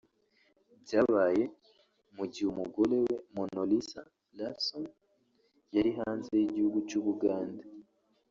byabaye mu gihe umugore we Monolisa Larson yari hanze y’igihugu cy’u Bugande